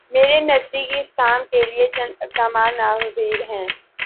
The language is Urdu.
میرے نزدیک اس کام کے لیے چند اقدامات ناگزیر ہیں۔